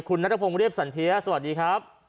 คุณนัทพงศ์เรียบสันเทียสวัสดีครับ